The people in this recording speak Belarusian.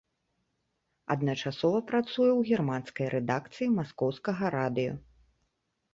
Адначасова працуе ў германскай рэдакцыі маскоўскага радыё.